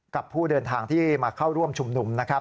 ผู้เดินทางที่มาเข้าร่วมชุมนุมนะครับ